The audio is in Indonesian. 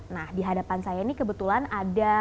nah di hadapan saya ini kebetulan ada